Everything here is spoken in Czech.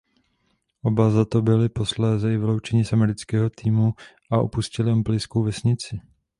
Oba za to byli posléze i vyloučeni z amerického týmu a opustili olympijskou vesnici.